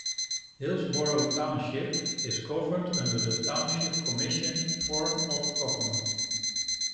Hillsborough Township is governed under the Township Commission form of government.